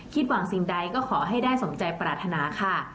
หวังสิ่งใดก็ขอให้ได้สมใจปรารถนาค่ะ